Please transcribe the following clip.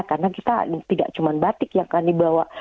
karena kita tidak cuma batik yang akan dibawa